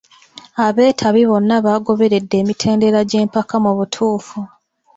Abeetabi bonna baagoberedde emitendera gy'empaka mu butuufu.